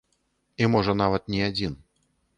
І можа, нават, не адзін.